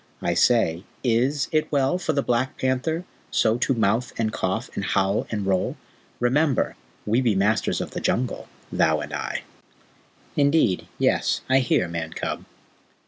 "I say, IS it well for the Black Panther so to mouth and cough, and howl and roll? Remember, we be the Masters of the Jungle, thou and I." "Indeed, yes; I hear, Man cub."